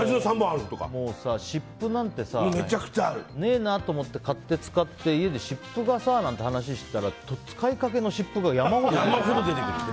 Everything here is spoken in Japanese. もう、湿布なんてさねえなって思って買って使って家で湿布がさなんて話してたら使いかけの湿布が山ほど出てきて。